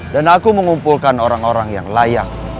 dan aku mengumpulkan orang orang yang layak